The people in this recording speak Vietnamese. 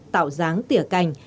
tạo dáng tỉa cành